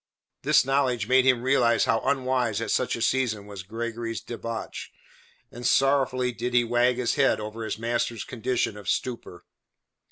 This knowledge made him realize how unwise at such a season was Gregory's debauch, and sorrowfully did he wag his head over his master's condition of stupor.